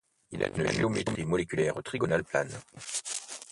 Il a une géométrie moléculaire trigonale plane.